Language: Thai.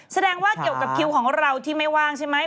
แสดงว่าเกี่ยวกับคิวของเราที่ไม่ว่างใช่ไหม